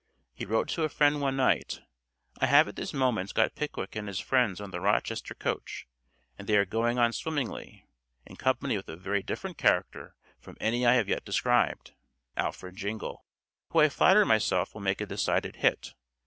He wrote to a friend one night, "I have at this moment got Pickwick and his friends on the Rochester coach, and they are going on swimmingly, in company with a very different character from any I have yet described" (Alfred Jingle), "who I flatter myself will make a decided hit.